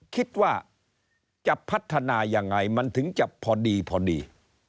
คิดว่าจะพัฒนายังไงมันถึงจะพอดีพอดี